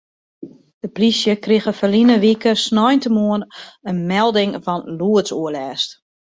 De plysje krige ferline wike sneintemoarn in melding fan lûdsoerlêst.